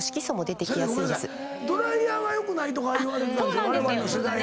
ドライヤーが良くないとかいわれてたわれわれの世代は。